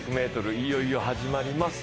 いよいよ始まります。